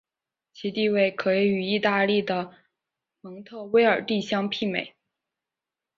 其地位可以与意大利的蒙特威尔第相媲美。